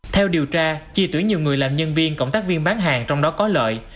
theo điều tra chi tuyển nhiều người làm nhân viên cộng tác viên bán hàng trong đó có lợi